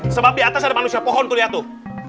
sebab di atas ada manusia pohon tuh lihat tuh